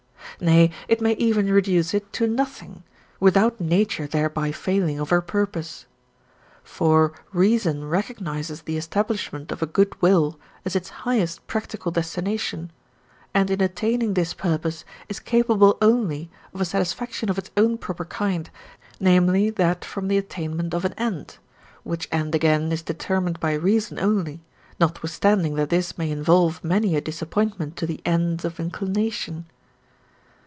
Nay, it may even reduce it to nothing, without nature thereby failing of her purpose. For reason recognizes the establishment of a good will as its highest practical destination, and in attaining this purpose is capable only of a satisfaction of its own proper kind, namely that from the attainment of an end, which end again is determined by reason only, notwithstanding that this may involve many a disappointment to the ends of inclination.